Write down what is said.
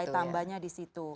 nilai tambahnya di situ